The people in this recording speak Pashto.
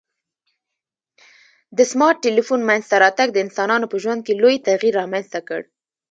د سمارټ ټلیفون منځته راتګ د انسانانو په ژوند کي لوی تغیر رامنځته کړ